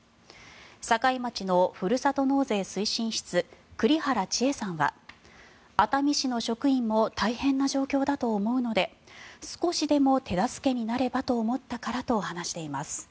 境町のふるさと納税推進室栗原千恵さんは熱海市の職員も大変な状況だと思うので少しでも手助けになればと思ったからと話しています。